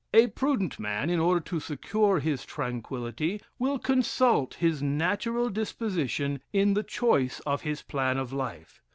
"A prudent man, in order to secure his tranquillity, will consult his natural disposition in the choice of his plan of life.